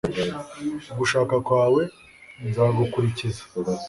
ugushaka kwawe nzagukurikiza